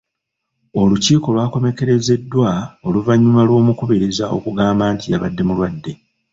Olukiiko lwakomekkerezeddwa oluvannyuma lw'omukubiriza okugamba nti yabadde mulwadde.